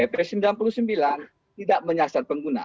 pp sembilan puluh sembilan tidak menyaksikan